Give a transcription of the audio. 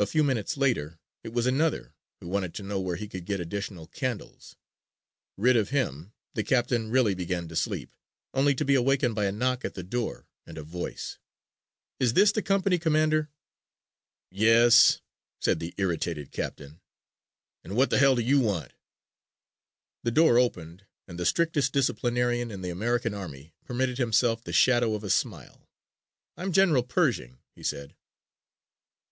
A few minutes later it was another who wanted to know where he could get additional candles. Rid of him, the captain really began to sleep, only to be awakened by a knock at the door and a voice, "Is this the company commander?" "Yes," said the irritated captain, "and what the hell do you want?" The door opened and the strictest disciplinarian in the American army permitted himself the shadow of a smile. "I'm General Pershing," he said.